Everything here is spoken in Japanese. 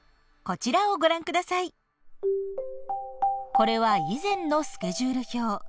これは以前のスケジュール表。